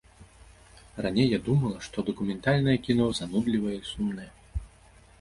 Раней я думала, што дакументальнае кіно занудлівае і сумнае.